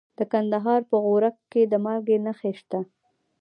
د کندهار په غورک کې د مالګې نښې شته.